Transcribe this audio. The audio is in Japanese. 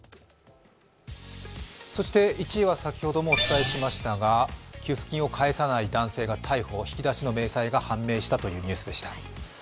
そして１位は先ほどもお伝えしましたが、給付金を返さない男性が逮捕引き出しの明細が判明したということです。